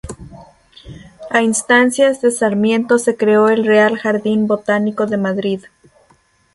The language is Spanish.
A instancias de Sarmiento se creó el Real Jardín Botánico de Madrid.